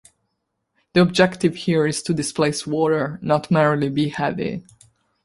The objective here is to displace water, not merely be "heavy".